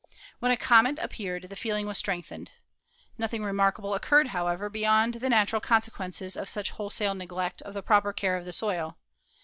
When a comet appeared the feeling was strengthened. Nothing remarkable occurred, however, be yond the natural consequences of such wholesale neglect of the proper care of the soil.